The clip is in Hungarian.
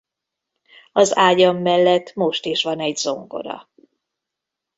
Az ágyam mellett most is van egy zongora.